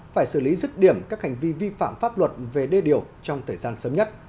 phải xử lý rứt điểm các hành vi vi phạm pháp luật về đê điều trong thời gian sớm nhất